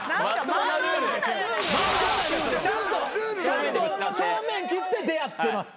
ちゃんと正面切って出会ってます。